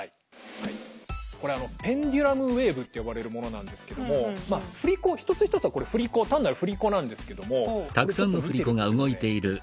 はいこれあのペンデュラムウェーブって呼ばれるものなんですけどもまあ振り子一つ一つはこれ単なる振り子なんですけどもこれちょっと見てるとですね